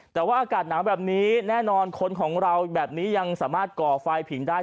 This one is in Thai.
แต่ว่าอากาศหนาวแบบนี้แน่นอนคนของเราแบบนี้ยังสามารถก่อไฟผิงได้